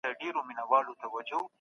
زه د څېړنیز رهبانیت هېڅ سپارښتنه نه کوم.